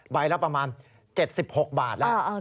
ละประมาณ๗๖บาทแล้ว